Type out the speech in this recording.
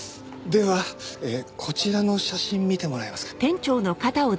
ではこちらの写真見てもらえますか？